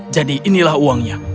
jadi inilah uangnya